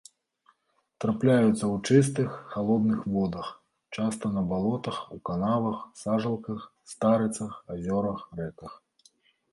Трапляюцца ў чыстых, халодных водах, часта на балотах, у канавах, сажалках, старыцах, азёрах, рэках.